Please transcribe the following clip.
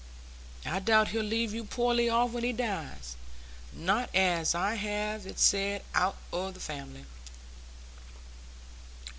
I doubt he'll leave you poorly off when he dies. Not as I'd have it said out o' the family."